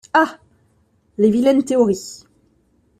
Ah ! les vilaines théories !